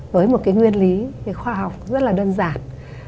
với một cái nguyên lý cái khoa học rất là đơn giản